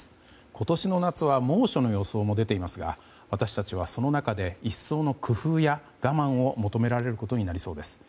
今年の夏は猛暑の予想も出ていますが私たちはその中で一層の工夫や我慢を求められることになりそうです。